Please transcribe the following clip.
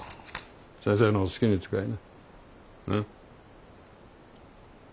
先生の好きに使いな。